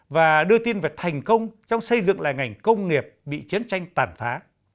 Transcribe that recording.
và đưa tin về thành công trong xây dựng lại ngành công nghiệp bị chiến tranh tàn phá